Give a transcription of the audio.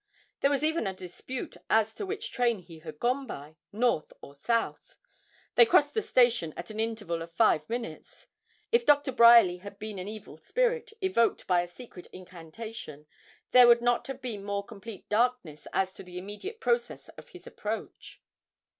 There was even a dispute as to which train he had gone by north or south they crossed the station at an interval of five minutes. If Dr. Bryerly had been an evil spirit, evoked by a secret incantation, there could not have been more complete darkness as to the immediate process of his approach.